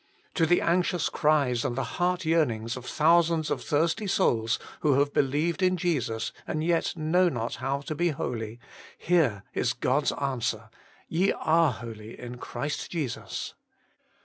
To the anxious cries and the heart yearnings of thousands of thirsty souls who have GOD'S PROVISION FOR HOLINESS. 21 believed in Jesus and yet know not how to be holy, here is God's answer: YE ARE HOLY IN CHRIST JESUS.